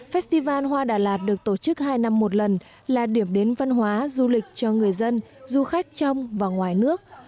festival hoa đà lạt được tổ chức hai năm một lần là điểm đến văn hóa du lịch cho người dân du khách trong và ngoài nước